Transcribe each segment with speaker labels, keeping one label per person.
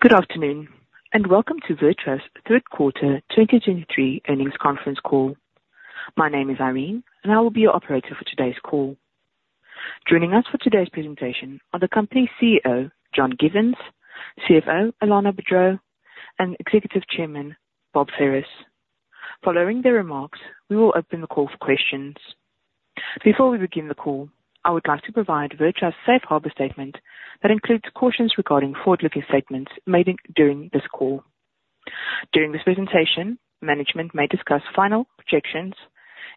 Speaker 1: Good afternoon, and welcome to VirTra's Third Quarter 2023 Earnings Conference Call. My name is Irene, and I will be your operator for today's call. Joining us for today's presentation are the company's CEO, John Givens, CFO, Alanna Boudreau, and Executive Chairman, Bob Ferris. Following their remarks, we will open the call for questions. Before we begin the call, I would like to provide VirTra's safe harbor statement that includes cautions regarding forward-looking statements made in, during this call. During this presentation, management may discuss final projections,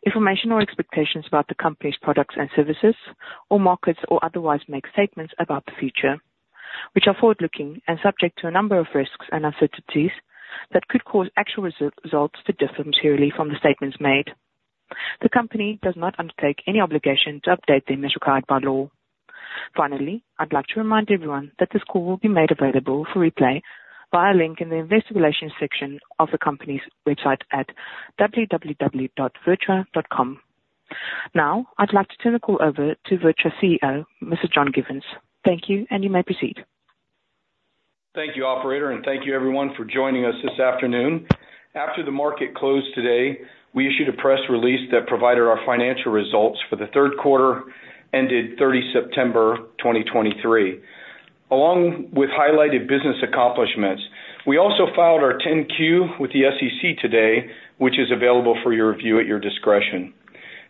Speaker 1: information or expectations about the company's products and services or markets, or otherwise make statements about the future, which are forward-looking and subject to a number of risks and uncertainties that could cause actual results to differ materially from the statements made. The company does not undertake any obligation to update them as required by law. Finally, I'd like to remind everyone that this call will be made available for replay via a link in the investor relations section of the company's website at www.virtra.com. Now, I'd like to turn the call over to VirTra CEO, Mr. John Givens. Thank you, and you may proceed.
Speaker 2: Thank you, operator, and thank you everyone for joining us this afternoon. After the market closed today, we issued a press release that provided our financial results for the third quarter, ended 30 September 2023. Along with highlighted business accomplishments, we also filed our 10-Q with the SEC today, which is available for your review at your discretion.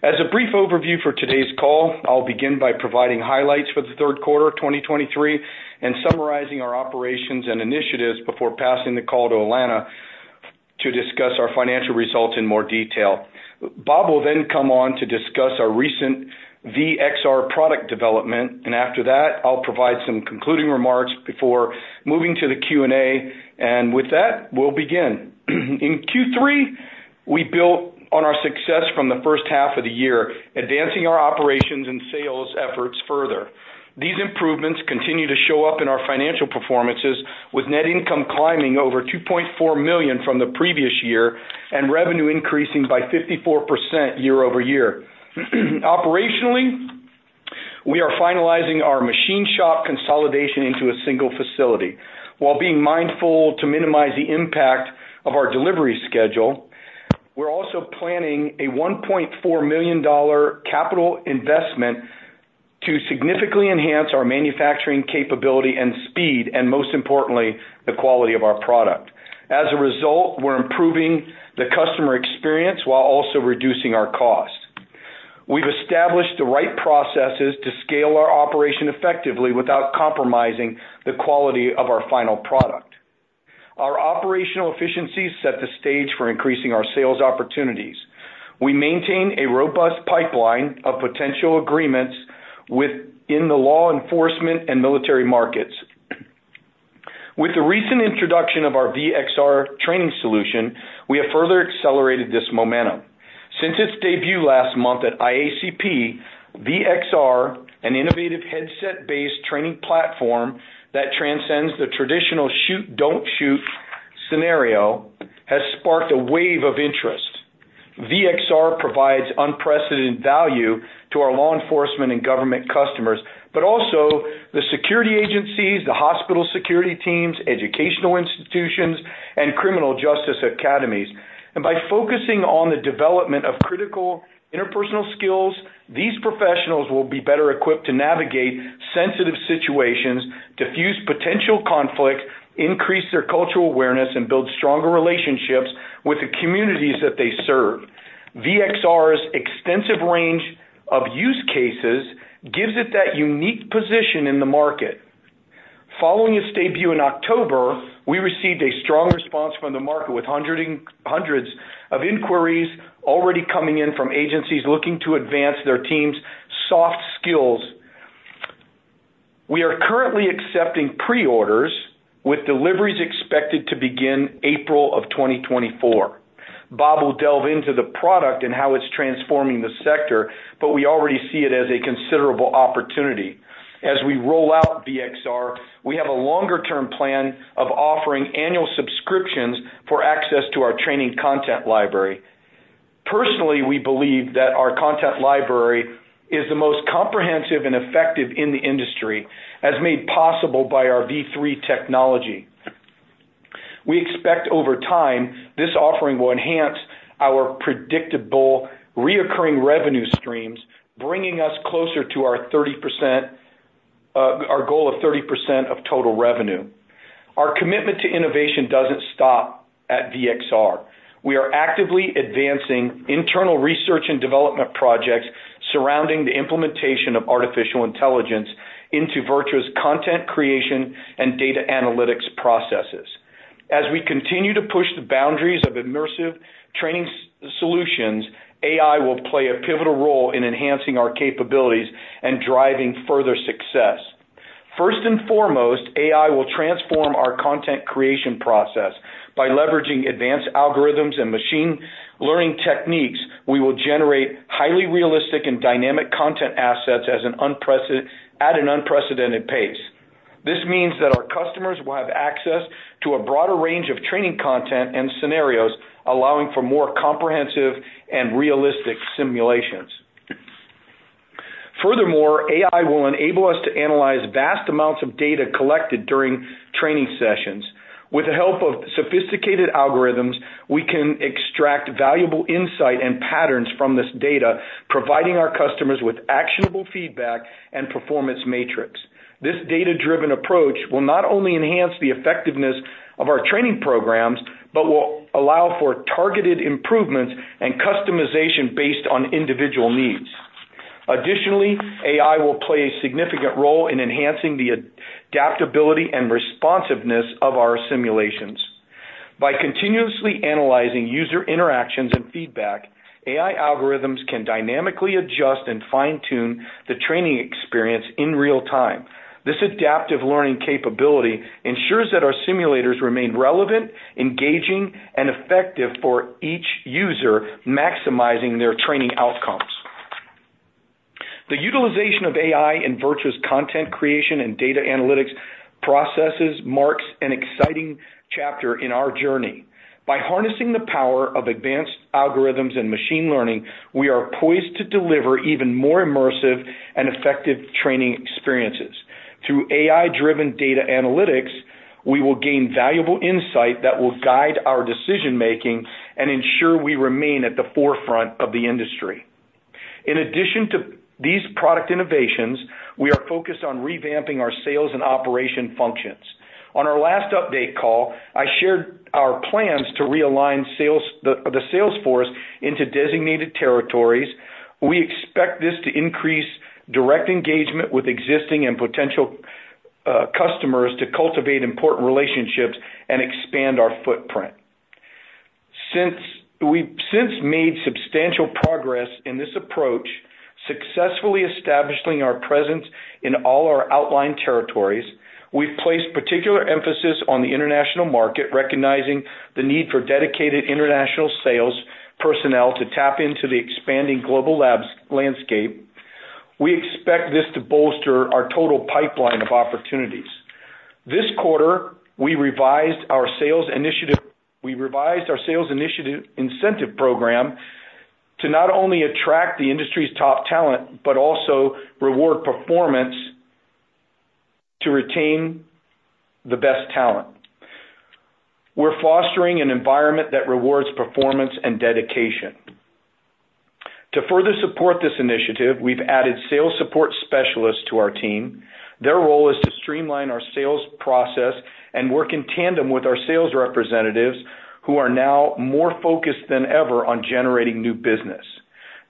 Speaker 2: As a brief overview for today's call, I'll begin by providing highlights for the third quarter of 2023 and summarizing our operations and initiatives before passing the call to Alanna to discuss our financial results in more detail. Bob will then come on to discuss our recent V-XR product development, and after that, I'll provide some concluding remarks before moving to the Q&A. And with that, we'll begin. In Q3, we built on our success from the first half of the year, advancing our operations and sales efforts further. These improvements continue to show up in our financial performances, with net income climbing over $2.4 million from the previous year and revenue increasing by 54% year-over-year. Operationally, we are finalizing our machine shop consolidation into a single facility. While being mindful to minimize the impact of our delivery schedule, we're also planning a $1.4 million capital investment to significantly enhance our manufacturing capability and speed, and most importantly, the quality of our product. As a result, we're improving the customer experience while also reducing our costs. We've established the right processes to scale our operation effectively without compromising the quality of our final product. Our operational efficiencies set the stage for increasing our sales opportunities. We maintain a robust pipeline of potential agreements within the law enforcement and military markets. With the recent introduction of our V-XR training solution, we have further accelerated this momentum. Since its debut last month at IACP, V-XR, an innovative headset-based training platform that transcends the traditional shoot, don't shoot scenario, has sparked a wave of interest. V-XR provides unprecedented value to our law enforcement and government customers, but also the security agencies, the hospital security teams, educational institutions, and criminal justice academies. And by focusing on the development of critical interpersonal skills, these professionals will be better equipped to navigate sensitive situations, defuse potential conflict, increase their cultural awareness, and build stronger relationships with the communities that they serve. V-XR's extensive range of use cases gives it that unique position in the market. Following its debut in October, we received a strong response from the market, with hundreds of inquiries already coming in from agencies looking to advance their team's soft skills. We are currently accepting pre-orders, with deliveries expected to begin April of 2024. Bob will delve into the product and how it's transforming the sector, but we already see it as a considerable opportunity. As we roll out V-XR, we have a longer-term plan of offering annual subscriptions for access to our training content library. Personally, we believe that our content library is the most comprehensive and effective in the industry, as made possible by our V3 technology. We expect over time, this offering will enhance our predictable recurring revenue streams, bringing us closer to our 30%, our goal of 30% of total revenue. Our commitment to innovation doesn't stop at V-XR. We are actively advancing internal research and development projects surrounding the implementation of artificial intelligence into VirTra's content creation and data analytics processes. As we continue to push the boundaries of immersive training solutions, AI will play a pivotal role in enhancing our capabilities and driving further success. First and foremost, AI will transform our content creation process. By leveraging advanced algorithms and machine learning techniques, we will generate highly realistic and dynamic content assets at an unprecedented pace. This means that our customers will have access to a broader range of training content and scenarios, allowing for more comprehensive and realistic simulations. Furthermore, AI will enable us to analyze vast amounts of data collected during training sessions. With the help of sophisticated algorithms, we can extract valuable insight and patterns from this data, providing our customers with actionable feedback and performance metrics. This data-driven approach will not only enhance the effectiveness of our training programs, but will allow for targeted improvements and customization based on individual needs. Additionally, AI will play a significant role in enhancing the adaptability and responsiveness of our simulations. By continuously analyzing user interactions and feedback, AI algorithms can dynamically adjust and fine-tune the training experience in real time. This adaptive learning capability ensures that our simulators remain relevant, engaging, and effective for each user, maximizing their training outcomes. The utilization of AI in VirTra's content creation and data analytics processes marks an exciting chapter in our journey. By harnessing the power of advanced algorithms and machine learning, we are poised to deliver even more immersive and effective training experiences. Through AI-driven data analytics, we will gain valuable insight that will guide our decision-making and ensure we remain at the forefront of the industry. In addition to these product innovations, we are focused on revamping our sales and operation functions. On our last update call, I shared our plans to realign sales, the sales force into designated territories. We expect this to increase direct engagement with existing and potential customers to cultivate important relationships and expand our footprint. Since we've made substantial progress in this approach, successfully establishing our presence in all our outlying territories, we've placed particular emphasis on the international market, recognizing the need for dedicated international sales personnel to tap into the expanding global lab landscape. We expect this to bolster our total pipeline of opportunities. This quarter, we revised our sales initiative incentive program to not only attract the industry's top talent, but also reward performance to retain the best talent. We're fostering an environment that rewards performance and dedication. To further support this initiative, we've added sales support specialists to our team. Their role is to streamline our sales process and work in tandem with our sales representatives, who are now more focused than ever on generating new business.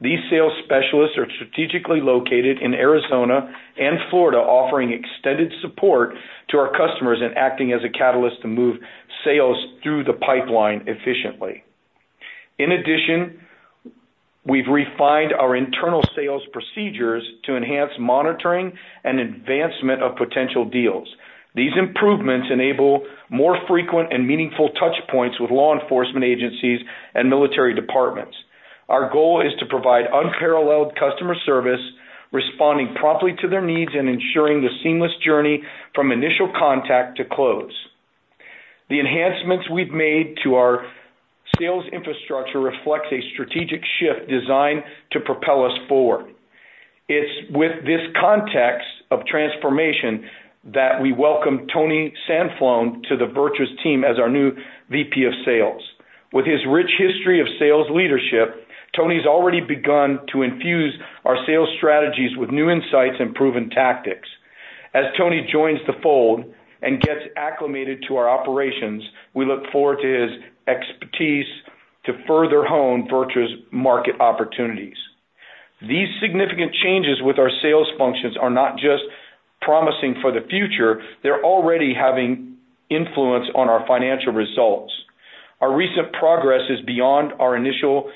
Speaker 2: These sales specialists are strategically located in Arizona and Florida, offering extended support to our customers and acting as a catalyst to move sales through the pipeline efficiently. In addition, we've refined our internal sales procedures to enhance monitoring and advancement of potential deals. These improvements enable more frequent and meaningful touch points with law enforcement agencies and military departments. Our goal is to provide unparalleled customer service, responding promptly to their needs and ensuring the seamless journey from initial contact to close. The enhancements we've made to our sales infrastructure reflects a strategic shift designed to propel us forward. It's with this context of transformation that we welcome Tony Sanfilippo to the VirTra team as our new VP of Sales. With his rich history of sales leadership, Tony's already begun to infuse our sales strategies with new insights and proven tactics. As Tony joins the fold and gets acclimated to our operations, we look forward to his expertise to further hone VirTra's market opportunities. These significant changes with our sales functions are not just promising for the future, they're already having influence on our financial results. Our recent progress is beyond our initial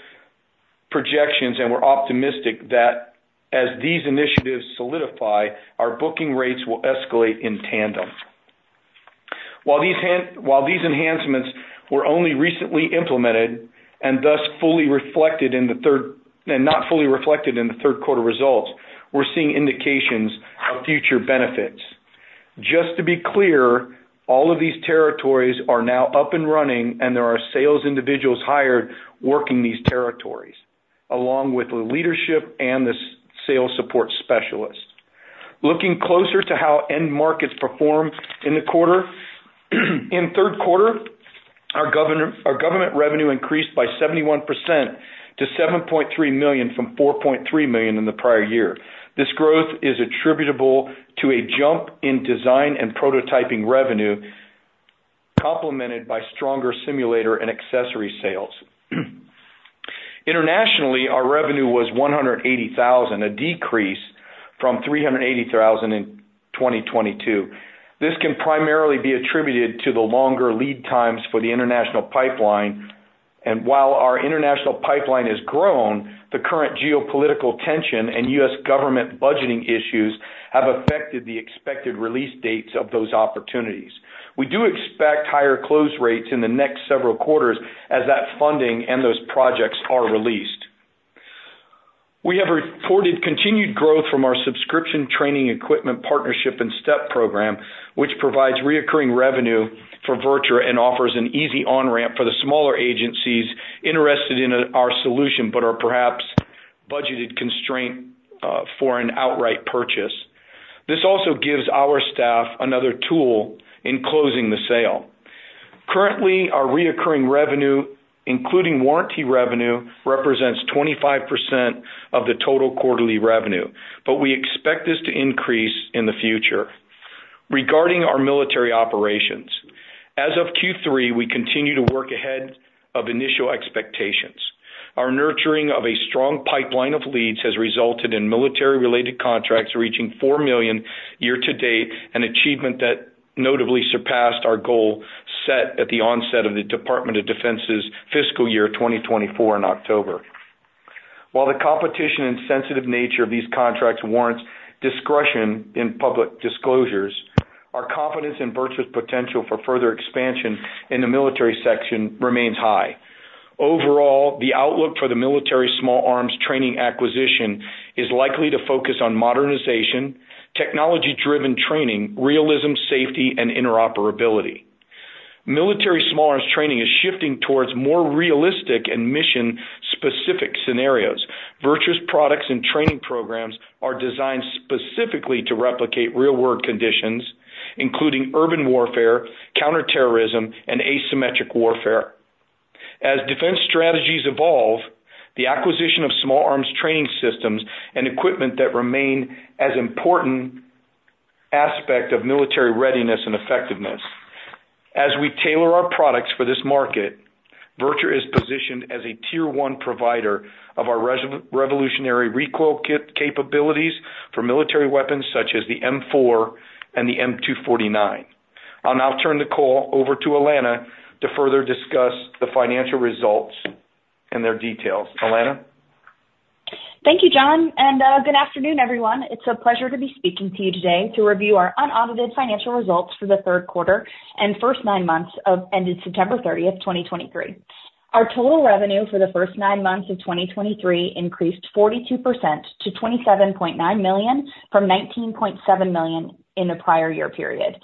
Speaker 2: projections, and we're optimistic that as these initiatives solidify, our booking rates will escalate in tandem. While these enhancements were only recently implemented, and thus not fully reflected in the third quarter results, we're seeing indications of future benefits. Just to be clear, all of these territories are now up and running, and there are sales individuals hired working these territories, along with the leadership and the sales support specialists. Looking closer to how end markets performed in the quarter, in third quarter, our government revenue increased by 71% to $7.3 million, from $4.3 million in the prior year. This growth is attributable to a jump in design and prototyping revenue, complemented by stronger simulator and accessory sales. Internationally, our revenue was $180,000, a decrease from $380,000 in 2022. This can primarily be attributed to the longer lead times for the international pipeline, and while our international pipeline has grown, the current geopolitical tension and US government budgeting issues have affected the expected release dates of those opportunities. We do expect higher close rates in the next several quarters as that funding and those projects are released. We have reported continued growth from our subscription training equipment partnership and STEP program, which provides recurring revenue for VirTra and offers an easy on-ramp for the smaller agencies interested in our solution, but are perhaps budgeted constraint for an outright purchase. This also gives our staff another tool in closing the sale. Currently, our recurring revenue, including warranty revenue, represents 25% of the total quarterly revenue, but we expect this to increase in the future. Regarding our military operations, as of Q3, we continue to work ahead of initial expectations. Our nurturing of a strong pipeline of leads has resulted in military-related contracts reaching $4 million year-to-date, an achievement that notably surpassed our goal set at the onset of the Department of Defense's fiscal year, 2024 in October. While the competition and sensitive nature of these contracts warrants discretion in public disclosures, our confidence in VirTra's potential for further expansion in the military section remains high. Overall, the outlook for the military small arms training acquisition is likely to focus on modernization, technology-driven training, realism, safety, and interoperability. Military small arms training is shifting towards more realistic and mission-specific scenarios. VirTra's products and training programs are designed specifically to replicate real-world conditions, including urban warfare, counterterrorism, and asymmetric warfare. As defense strategies evolve, the acquisition of small arms training systems and equipment that remain as important aspect of military readiness and effectiveness. As we tailor our products for this market, VirTra is positioned as a tier one provider of our revolutionary recoil kit capabilities for military weapons such as the M4 and the M249. I'll now turn the call over to Alanna to further discuss the financial results and their details. Alanna?
Speaker 3: Thank you, John, and good afternoon, everyone. It's a pleasure to be speaking to you today to review our unaudited financial results for the third quarter and first nine months ended September 30, 2023. Our total revenue for the first nine months of 2023 increased 42% to $27.9 million from $19.7 million in the prior year period.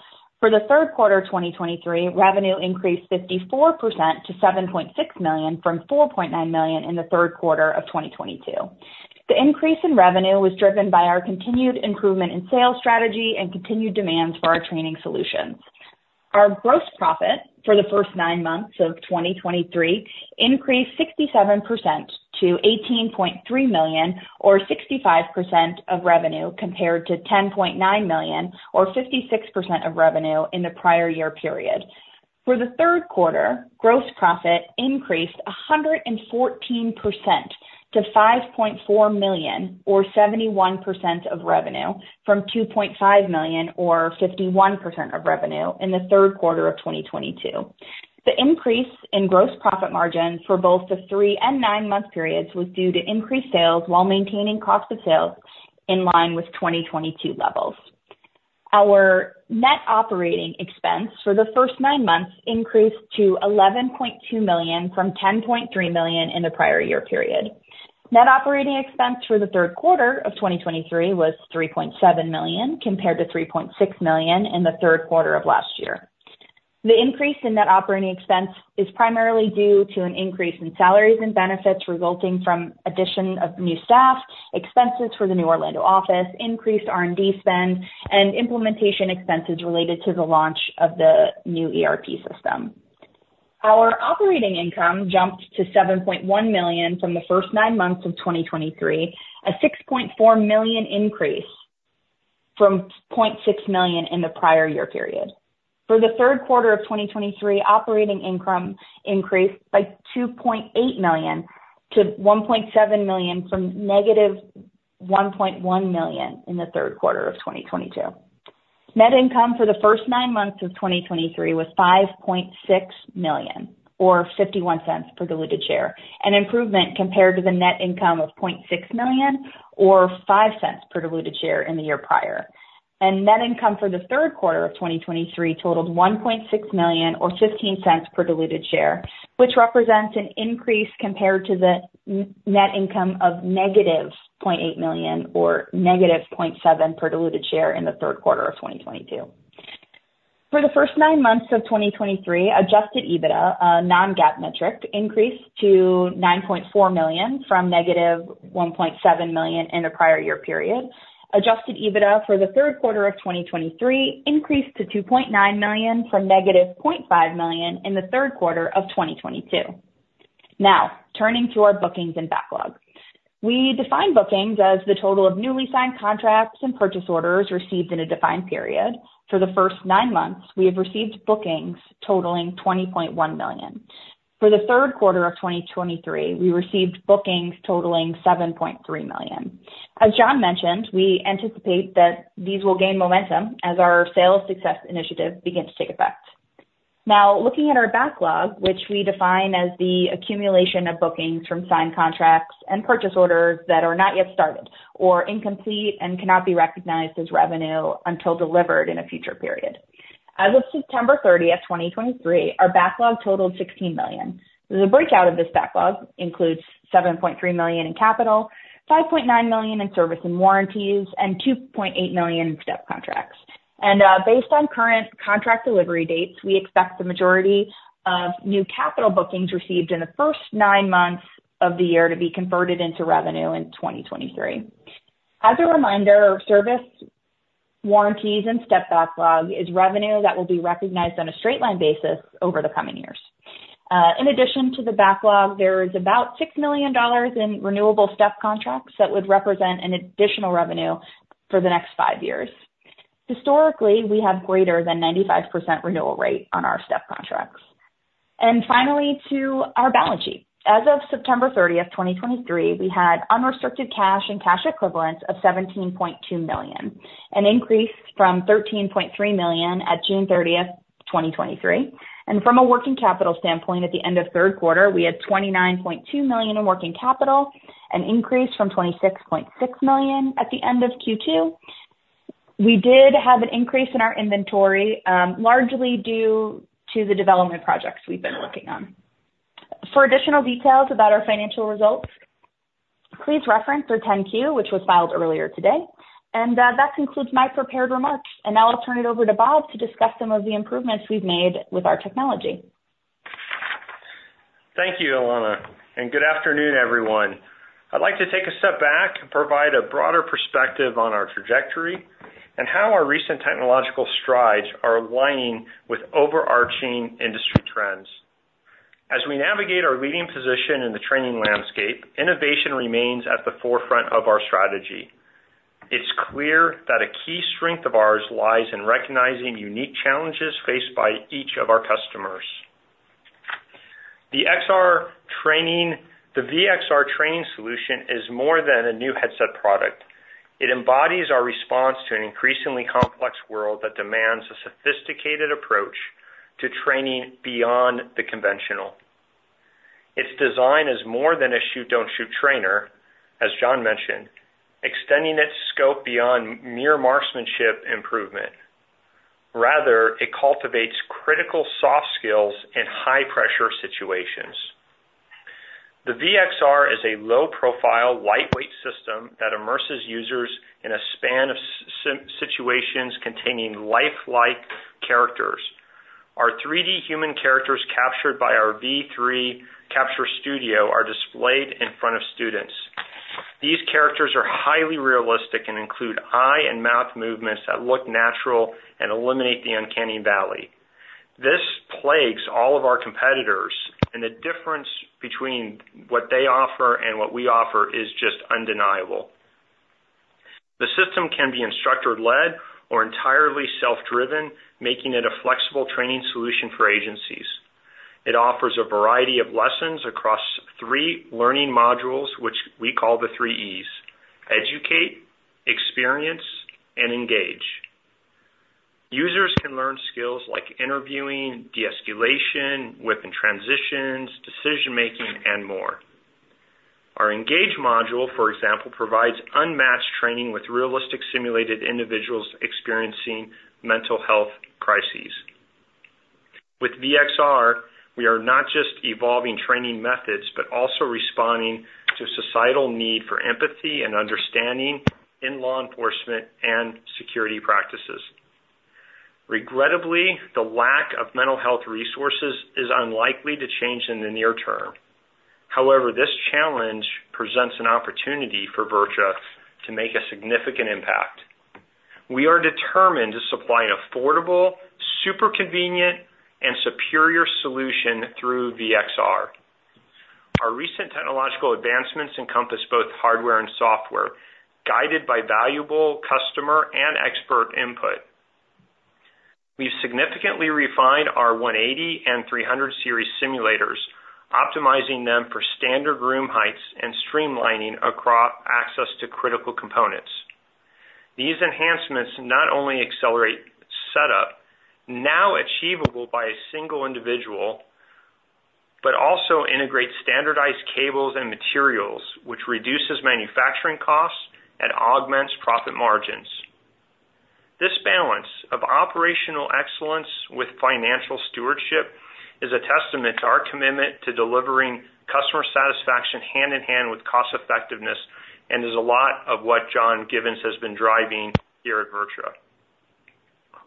Speaker 3: For the third quarter of 2023, revenue increased 54% to $7.6 million from $4.9 million in the third quarter of 2022. The increase in revenue was driven by our continued improvement in sales strategy and continued demands for our training solutions. Our gross profit for the first nine months of 2023 increased 67% to $18.3 million, or 65% of revenue, compared to $10.9 million, or 56% of revenue in the prior year period. For the third quarter, gross profit increased 114% to $5.4 million, or 71% of revenue, from $2.5 million, or 51% of revenue in the third quarter of 2022. The increase in gross profit margin for both the three and nine-month periods was due to increased sales while maintaining cost of sales in line with 2022 levels. Our net operating expense for the first nine months increased to $11.2 million from $10.3 million in the prior year period. Net operating expense for the third quarter of 2023 was $3.7 million, compared to $3.6 million in the third quarter of last year. The increase in net operating expense is primarily due to an increase in salaries and benefits resulting from addition of new staff, expenses for the new Orlando office, increased R&D spend, and implementation expenses related to the launch of the new ERP system. Our operating income jumped to $7.1 million from the first nine months of 2023, a $6.4 million increase from $0.6 million in the prior year period. For the third quarter of 2023, operating income increased by $2.8 million to $1.7 million, from -$1.1 million in the third quarter of 2022. Net income for the first nine months of 2023 was $5.6 million, or $0.51 per diluted share, an improvement compared to the net income of $0.6 million or $0.05 per diluted share in the year prior. Net income for the third quarter of 2023 totaled $1.6 million, or $0.15 per diluted share, which represents an increase compared to the net income of -$0.8 million, or -$0.07 per diluted share in the third quarter of 2022. For the first nine months of 2023, Adjusted EBITDA, non-GAAP metric, increased to $9.4 million from -$1.7 million in the prior year period. Adjusted EBITDA for the third quarter of 2023 increased to $2.9 million from -$0.5 million in the third quarter of 2022. Now, turning to our bookings and backlogs. We define bookings as the total of newly signed contracts and purchase orders received in a defined period. For the first nine months, we have received bookings totaling $20.1 million. For the third quarter of 2023, we received bookings totaling $7.3 million. As John mentioned, we anticipate that these will gain momentum as our sales success initiative begins to take effect. Now, looking at our backlog, which we define as the accumulation of bookings from signed contracts and purchase orders that are not yet started or incomplete and cannot be recognized as revenue until delivered in a future period. As of September 30, 2023, our backlog totaled $16 million. The breakout of this backlog includes $7.3 million in capital, $5.9 million in service and warranties, and $2.8 million in STEP contracts. Based on current contract delivery dates, we expect the majority of new capital bookings received in the first nine months of the year to be converted into revenue in 2023. As a reminder, service warranties and STEPbacklog is revenue that will be recognized on a straight line basis over the coming years. In addition to the backlog, there is about $6 million in renewable STEP contracts that would represent an additional revenue for the next five years. Historically, we have greater than 95% renewal rate on our step contracts. Finally, to our balance sheet. As of September 13, 2023, we had unrestricted cash and cash equivalents of $17.2 million, an increase from $13.3 million at June 13th, 2023. From a working capital standpoint, at the end of third quarter, we had $29.2 million in working capital, an increase from $26.6 million at the end of Q2. We did have an increase in our inventory, largely due to the development projects we've been working on. For additional details about our financial results, please reference our 10-Q, which was filed earlier today. That concludes my prepared remarks. Now I'll turn it over to Bob to discuss some of the improvements we've made with our technology.
Speaker 4: Thank you, Alanna, and good afternoon, everyone. I'd like to take a step back and provide a broader perspective on our trajectory and how our recent technological strides are aligning with overarching industry trends. As we navigate our leading position in the training landscape, innovation remains at the forefront of our strategy. It's clear that a key strength of ours lies in recognizing unique challenges faced by each of our customers. The V-XR training solution is more than a new headset product. It embodies our response to an increasingly complex world that demands a sophisticated approach to training beyond the conventional. Its design is more than a shoot, don't shoot trainer, as John mentioned, extending its scope beyond mere marksmanship improvement. Rather, it cultivates critical soft skills in high-pressure situations. The V-XR is a low-profile, lightweight system that immerses users in a span of situations containing lifelike characters. Our 3D human characters, captured by our V3 capture studio, are displayed in front of students. These characters are highly realistic and include eye and mouth movements that look natural and eliminate the uncanny valley. This plagues all of our competitors, and the difference between what they offer and what we offer is just undeniable. The system can be instructor-led or entirely self-driven, making it a flexible training solution for agencies. It offers a variety of lessons across three learning modules, which we call the three E's: Educate, Experience, and Engage. Users can learn skills like interviewing, de-escalation, weapon transitions, decision-making, and more. Our engage module, for example, provides unmatched training with realistic, simulated individuals experiencing mental health crises. With V-XR, we are not just evolving training methods, but also responding to societal need for empathy and understanding in law enforcement and security practices. Regrettably, the lack of mental health resources is unlikely to change in the near term. However, this challenge presents an opportunity for VirTra to make a significant impact. We are determined to supply an affordable, super convenient, and superior solution through V-XR. Our recent technological advancements encompass both hardware and software, guided by valuable customer and expert input. We've significantly refined our V-180 and V-300 series simulators, optimizing them for standard room heights and streamlining across access to critical components. These enhancements not only accelerate setup, now achievable by a single individual, but also integrate standardized cables and materials, which reduces manufacturing costs and augments profit margins. This balance of operational excellence with financial stewardship is a testament to our commitment to delivering customer satisfaction hand-in-hand with cost effectiveness, and is a lot of what John Givens has been driving here at VirTra.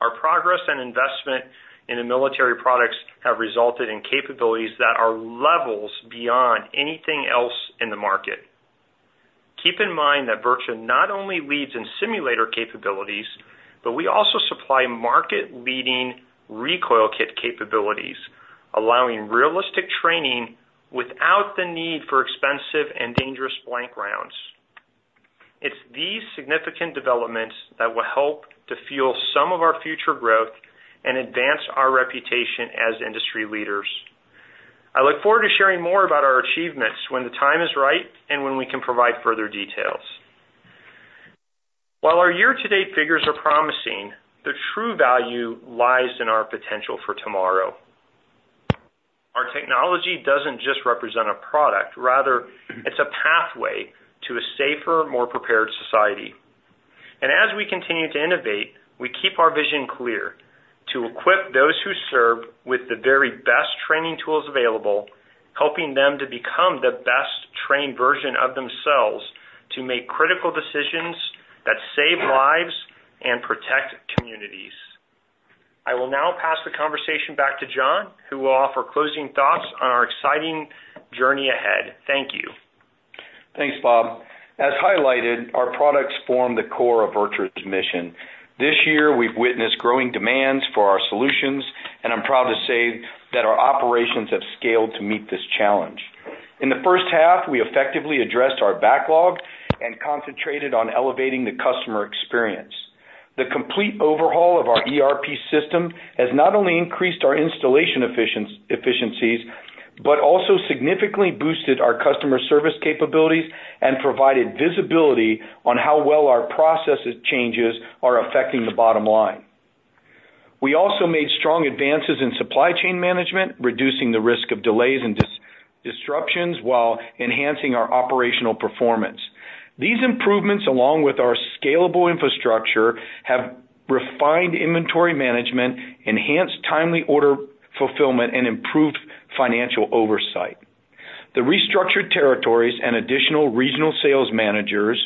Speaker 4: Our progress and investment in the military products have resulted in capabilities that are levels beyond anything else in the market. Keep in mind that VirTra not only leads in simulator capabilities, but we also supply market-leading recoil kit capabilities, allowing realistic training without the need for expensive and dangerous blank rounds. It's these significant developments that will help to fuel some of our future growth and advance our reputation as industry leaders. I look forward to sharing more about our achievements when the time is right and when we can provide further details. While our year-to-date figures are promising, the true value lies in our potential for tomorrow.... Our technology doesn't just represent a product. Rather, it's a pathway to a safer, more prepared society. As we continue to innovate, we keep our vision clear: to equip those who serve with the very best training tools available, helping them to become the best-trained version of themselves, to make critical decisions that save lives and protect communities. I will now pass the conversation back to John, who will offer closing thoughts on our exciting journey ahead. Thank you.
Speaker 2: Thanks, Bob. As highlighted, our products form the core of VirTra's mission. This year, we've witnessed growing demands for our solutions, and I'm proud to say that our operations have scaled to meet this challenge. In the first half, we effectively addressed our backlog and concentrated on elevating the customer experience. The complete overhaul of our ERP system has not only increased our installation efficiencies, but also significantly boosted our customer service capabilities and provided visibility on how well our process changes are affecting the bottom line. We also made strong advances in supply chain management, reducing the risk of delays and disruptions while enhancing our operational performance. These improvements, along with our scalable infrastructure, have refined inventory management, enhanced timely order fulfillment, and improved financial oversight. The restructured territories and additional regional sales managers,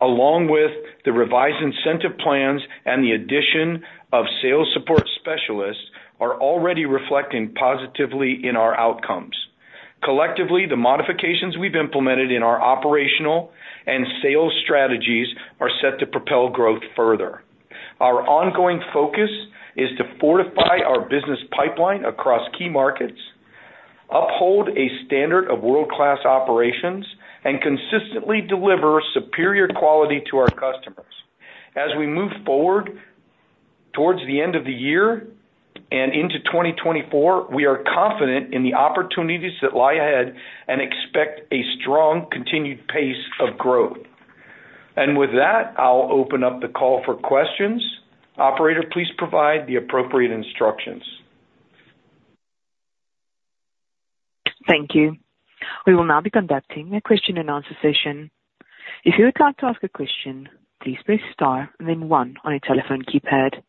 Speaker 2: along with the revised incentive plans and the addition of sales support specialists, are already reflecting positively in our outcomes. Collectively, the modifications we've implemented in our operational and sales strategies are set to propel growth further. Our ongoing focus is to fortify our business pipeline across key markets, uphold a standard of world-class operations, and consistently deliver superior quality to our customers. As we move forward towards the end of the year and into 2024, we are confident in the opportunities that lie ahead and expect a strong, continued pace of growth. With that, I'll open up the call for questions. Operator, please provide the appropriate instructions.
Speaker 1: Thank you. We will now be conducting a question and answer session. If you would like to ask a question, please press star and then one on your telephone keypad.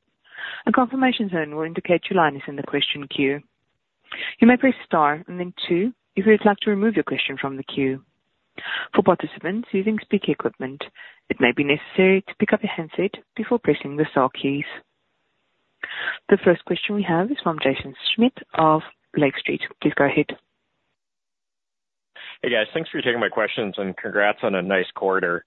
Speaker 1: A confirmation tone will indicate your line is in the question queue. You may press star and then two, if you'd like to remove your question from the queue. For participants using speaker equipment, it may be necessary to pick up your handset before pressing the star keys. The first question we have is from Jaeson Schmidt of Lake Street. Please go ahead.
Speaker 5: Hey, guys. Thanks for taking my questions, and congrats on a nice quarter.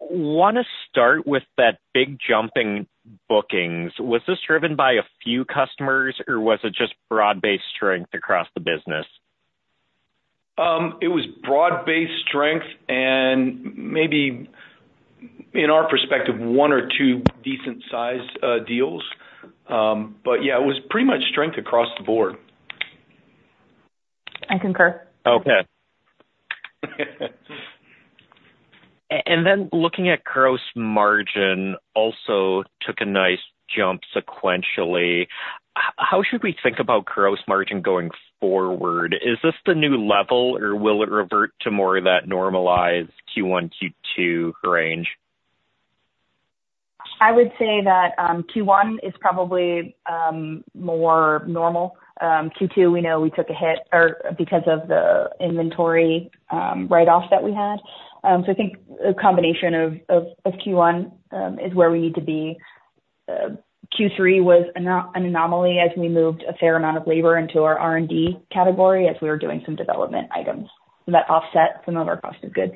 Speaker 5: Wanna start with that big jump in bookings. Was this driven by a few customers, or was it just broad-based strength across the business?
Speaker 2: It was broad-based strength and maybe, in our perspective, one or two decent-sized deals. But yeah, it was pretty much strength across the board.
Speaker 4: I concur.
Speaker 5: Okay. And then looking at gross margin, also took a nice jump sequentially. How should we think about gross margin going forward? Is this the new level, or will it revert to more of that normalized Q1, Q2 range?
Speaker 4: I would say that Q1 is probably more normal. Q2, we know we took a hit because of the inventory write-off that we had. So I think a combination of Q1 is where we need to be. Q3 was an anomaly as we moved a fair amount of labor into our R&D category as we were doing some development items. That offset some of our cost of goods.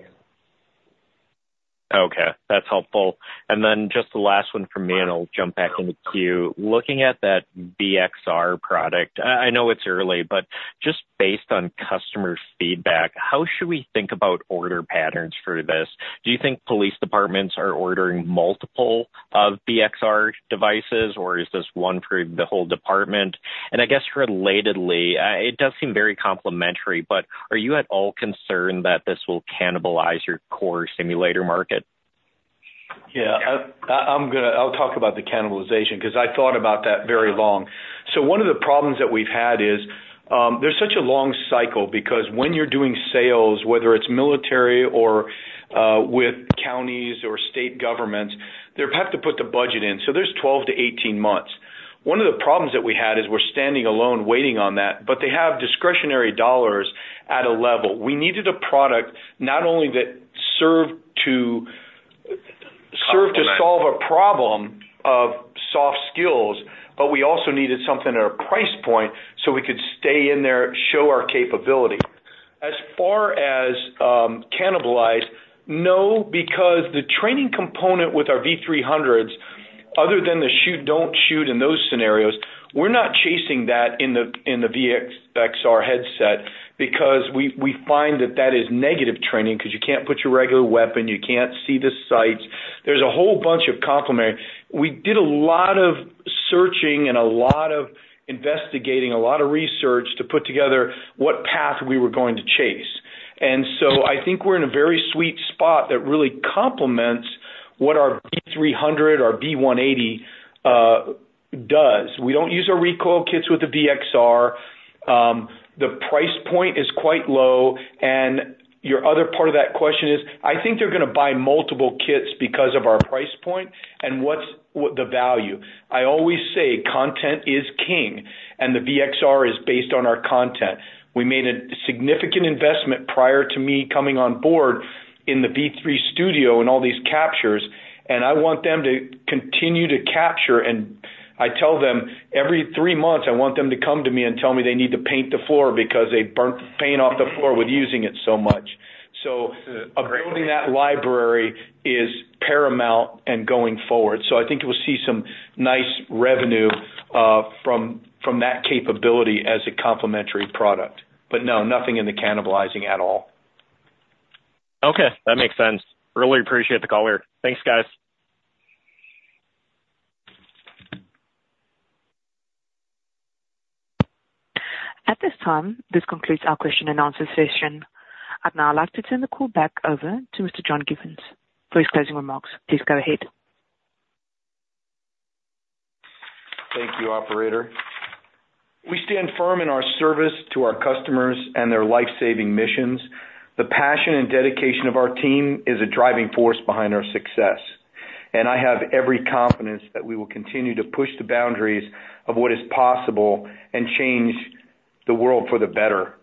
Speaker 5: Okay, that's helpful. And then just the last one from me, and I'll jump back in the queue. Looking at that V-XR product, I know it's early, but just based on customer feedback, how should we think about order patterns for this? Do you think police departments are ordering multiple of V-XR devices, or is this one for the whole department? And I guess relatedly, it does seem very complementary, but are you at all concerned that this will cannibalize your core simulator market?
Speaker 2: Yeah, I'm gonna... I'll talk about the cannibalization, 'cause I thought about that very long. So one of the problems that we've had is, there's such a long cycle, because when you're doing sales, whether it's military or with counties or state governments, they have to put the budget in, so there's 12 months-18 months. One of the problems that we had is we're standing alone, waiting on that, but they have discretionary dollars at a level. We needed a product not only that served to solve a problem of soft skills, but we also needed something at a price point so we could stay in there, show our capability. As far as cannibalize, no, because the training component with our V-300s, other than the shoot, don't shoot and those scenarios, we're not chasing that in the V-XR headset, because we find that that is negative training, 'cause you can't put your regular weapon, you can't see the sights. There's a whole bunch of complementary. We did a lot of searching and a lot of investigating, a lot of research to put together what path we were going to chase. And so I think we're in a very sweet spot that really complements what our V-300 or V-180 does. We don't use our Recoil Kits with the V-XR. The price point is quite low, and your other part of that question is, I think they're gonna buy multiple kits because of our price point and what's the value. I always say content is king, and the V-XR is based on our content. We made a significant investment prior to me coming on board in the V3 studio and all these captures, and I want them to continue to capture. And I tell them, every three months, I want them to come to me and tell me they need to paint the floor because they burnt the paint off the floor with using it so much. So building that library is paramount and going forward. So I think it will see some nice revenue from that capability as a complementary product. But no, nothing in the cannibalizing at all.
Speaker 5: Okay, that makes sense. Really appreciate the call here. Thanks, guys.
Speaker 1: At this time, this concludes our question and answer session. I'd now like to turn the call back over to Mr. John Givens for his closing remarks. Please go ahead.
Speaker 2: Thank you, operator. We stand firm in our service to our customers and their life-saving missions. The passion and dedication of our team is a driving force behind our success, and I have every confidence that we will continue to push the boundaries of what is possible and change the world for the better.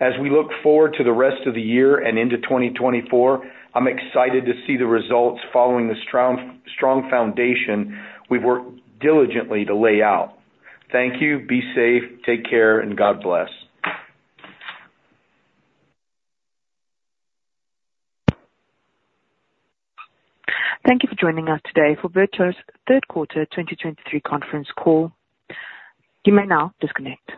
Speaker 2: As we look forward to the rest of the year and into 2024, I'm excited to see the results following this strong, strong foundation we've worked diligently to lay out. Thank you. Be safe, take care, and God bless.
Speaker 1: Thank you for joining us today for VirTra's third quarter 2023 conference call. You may now disconnect.